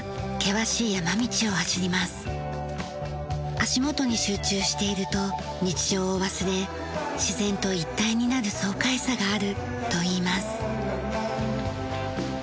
足元に集中していると日常を忘れ自然と一体になる爽快さがあるといいます。